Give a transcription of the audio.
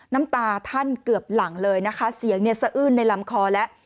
น้ำตาท่านเกือบหลังเลยนะคะเสียงเนี่ยสะอื้นในลำคอแล้ว